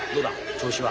調子は。